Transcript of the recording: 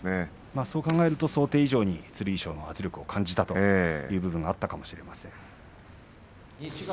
そう考えると想定以上に剣翔も圧力を感じたという部分があったかもしれません。